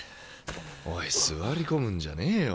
おい座り込むんじゃねえよ。